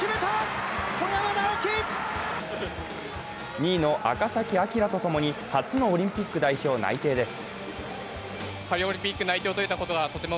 ２位の赤崎暁とともに初のオリンピック代表内定です。